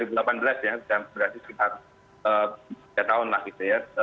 berarti sekitar tiga tahun lah gitu ya